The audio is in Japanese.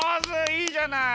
いいじゃない。